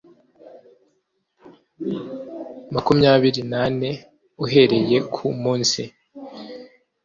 makumyabiri nane uhereye ku munsi